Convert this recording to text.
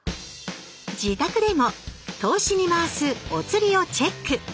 自宅でも投資に回すおつりをチェック。